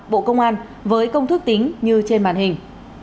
bộ công an với công thức tính như trên màn hình